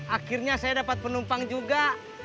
akhirnya saya dapat penumpang juga